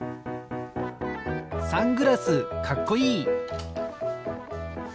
サングラスかっこいい！